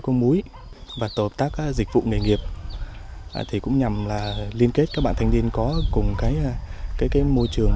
có múi và tổ hợp tác dịch vụ nghề nghiệp cũng nhằm liên kết các bạn thanh niên có cùng môi trường